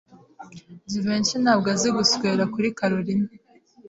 Jivency ntabwo azi guswera kuri Kalorina.